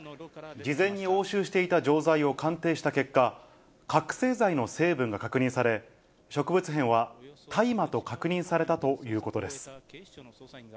事前に押収していた錠剤を鑑定した結果、覚醒剤の成分が確認され、植物片は大麻と確認されたということです。